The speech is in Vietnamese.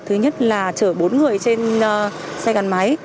thứ nhất là chở bốn người trên xe gắn máy